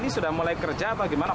sudah mulai kerja